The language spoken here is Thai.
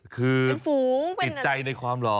เป็นฝูงเป็นหมาไล่เหรอติดใจในความรอ